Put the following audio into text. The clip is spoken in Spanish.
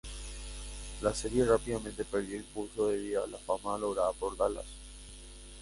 La serie rápidamente perdió impulso debido a la fama lograda por "Dallas".